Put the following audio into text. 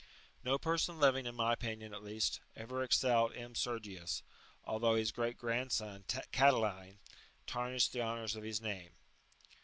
No person living, in my opinion at least, ever excelled M. Sergius,^^ although his great grandson, CatiliDe, tarnished the honours of his name.